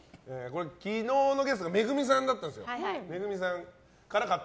昨日のゲストがＭＥＧＵＭＩさんだったんですよ。